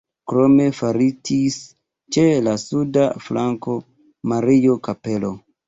Krome faritis ĉe la suda flanko Mario-kapelo.